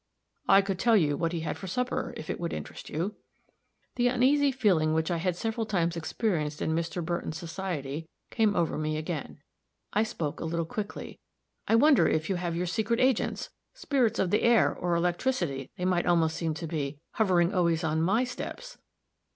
I could tell you what he had for supper, if it would interest you." The uneasy feeling which I had several times experienced in Mr. Burton's society, came over me again. I spoke a little quickly: "I wonder if you have your secret agents spirits of the air, or electricity, they might almost seem to be hovering always on my steps."